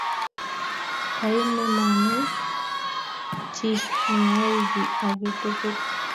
Kaine mami chi neyae kiy age tugul